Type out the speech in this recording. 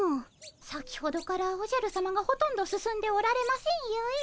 先ほどからおじゃるさまがほとんど進んでおられませんゆえ。